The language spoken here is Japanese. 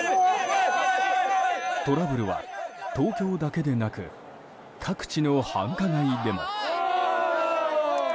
トラブルは東京だけでなく各地の繁華街でも。